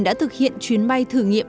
đã thực hiện chuyến bay thử nghiệm